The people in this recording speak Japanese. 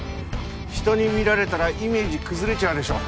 人に見られたらイメージ崩れちゃうでしょ